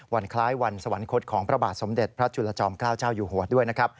วันคล้ายวันสวรรคตของพระบาทสมเด็จพระจุลจอม๙เจ้าอยู่หัวดด้วย